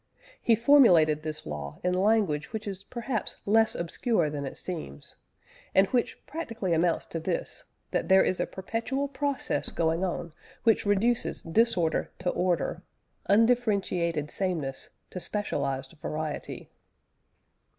He formulated this law in language which is perhaps less obscure than it seems, and which practically amounts to this, that there is a perpetual process going on which reduces disorder to order, undifferentiated sameness to specialised variety.